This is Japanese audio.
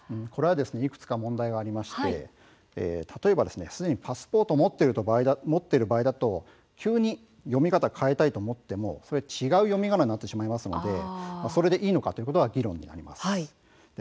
いくつか問題がありましてすでにパスポートを持っている場合だと急に読みがなを変えたいと思ってもそれは違う読みがなになってしまうのでそれでいいのかという議論になってしまいます。